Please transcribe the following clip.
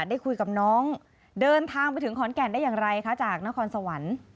ได้คุยกับน้องเดินทางไปถึงขอนแก่นได้อย่างไรคะจากนครสวรรค์